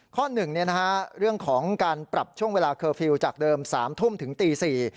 ข้อหนึ่งเรื่องของการปรับช่วงเวลาเคอร์ฟิลล์จากเดิม๓ทุ่มถึงตี๔